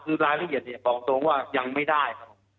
คือรายละเอียดบอกตรงว่ายังไม่ได้